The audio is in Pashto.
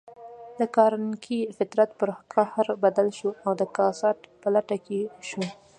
د کارنګي فطرت پر قهر بدل شو او د کسات په لټه کې شو.